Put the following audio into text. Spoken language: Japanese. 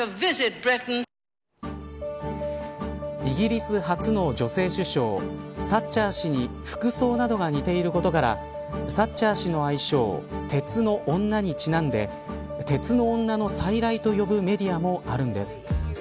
イギリス初の女性首相サッチャー氏に服装などが似ていることからサッチャー氏の愛称鉄の女にちなんで鉄の女の再来というメディアもあるんです。